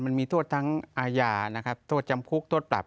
มันมีโทษทั้งอาญานะครับโทษจำคุกโทษปรับ